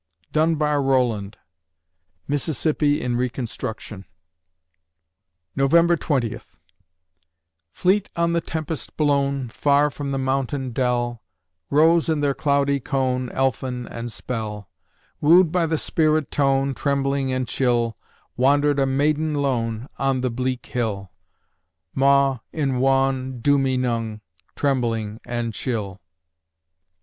DUNBAR ROWLAND (Mississippi in "Reconstruction") November Twentieth Fleet on the tempest blown, Far from the mountain dell, Rose in their cloudy cone, Elfin and Spell; Woo'd by the spirit tone, Trembling and chill, Wandered a maiden lone, On the bleak hill: Mau in waun du me nung, Trembling and chill.